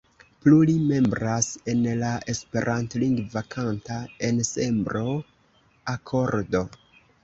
Plu li membras en la esperantlingva kanta ensemblo Akordo.